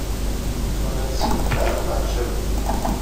Ur la d-ttbanen ara myeɛjaben.